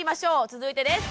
続いてです。